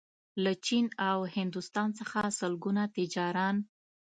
له چین او هندوستان څخه لسګونه تجاران